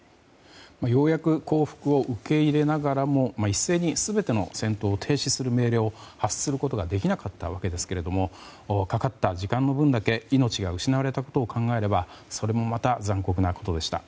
ようやく降伏を受け入れながらも一斉に全ての戦闘停止する命令を発することができなかった訳ですけどもかかった時間の分だけ命が失われたことを考えればそれもまた残酷なことでした。